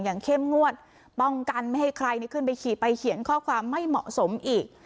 เข้มงวดป้องกันไม่ให้ใครขึ้นไปขี่ไปเขียนข้อความไม่เหมาะสมอีก